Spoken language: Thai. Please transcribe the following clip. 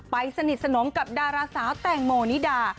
สนิทสนมกับดาราสาวแตงโมนิดา